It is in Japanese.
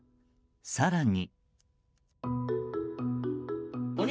更に。